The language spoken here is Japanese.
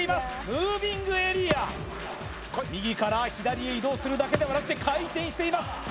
ムービングエリア右から左へ移動するだけではなくて回転しています